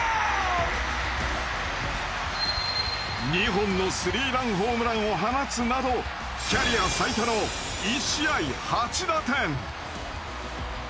２本のスリーランホームランを放つなどキャリア最多の１試合８打点。